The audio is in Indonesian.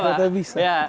saya bukan temen nadia pak